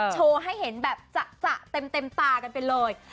โชว์ให้เห็นแบบจะเต็มตากันไปเลย